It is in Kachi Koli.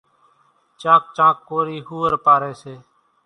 چانڪ چانڪ ڪورِي ۿوُئر پاريَ سي۔